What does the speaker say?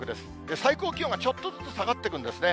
最高気温がちょっとずつ下がってくるんですね。